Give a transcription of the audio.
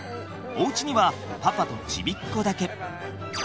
おうちにはパパとちびっこだけ。